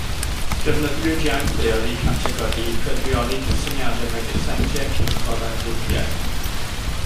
Defnyddiwyd iaith theori categori i ffurfioli cysyniadau megis setiau, cylchoedd a grwpiau.